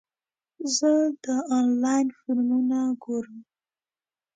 زه د انلاین فلمونه ګورم.